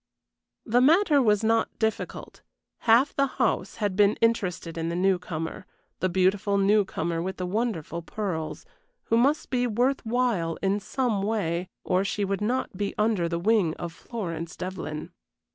The matter was not difficult. Half the house had been interested in the new comer, the beautiful new comer with the wonderful pearls, who must be worth while in some way, or she would not be under the wing of Florence Devlyn.